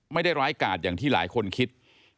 ไม่ได้ร้ายกาดอย่างที่หลายคนคิด